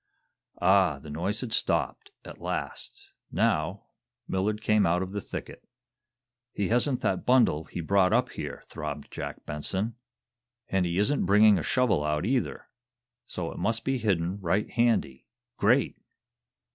Ah, the noise had stopped, at last. Now, Millard came out of the thicket. "He hasn't that bundle he brought up here!" throbbed Jack Benson. "And he isn't bringing a shovel out, either, so it must be hidden right handy. Great!"